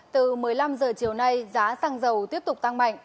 từ một mươi năm h chiều nay giá xăng dầu tiếp tục tăng mạnh